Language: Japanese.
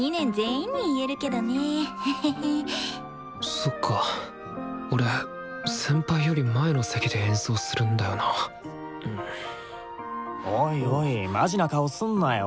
そっか俺先輩より前の席で演奏するんだよなおいおいマジな顔すんなよ。